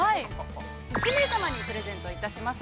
１名様にプレゼントいたします。